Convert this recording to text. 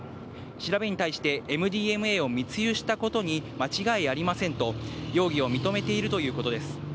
調べに対して、ＭＤＭＡを密輸したことに間違いありませんと、容疑を認めているということです。